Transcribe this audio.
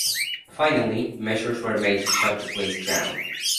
Finally, measures were made to shut the place down.